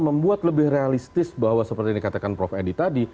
membuat lebih realistis bahwa seperti yang dikatakan prof edi tadi